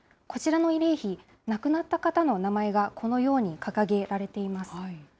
こちらの慰霊碑、亡くなった方のお名前がこのように掲げられています。